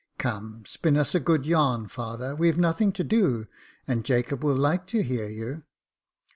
Come, spin us a good yarn, father ; we've nothing to do, and Jacob will like to hear you."